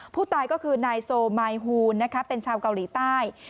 ผู้ตายก็คือนายโซมายฮูนเป็นชาวเกาหลีใต้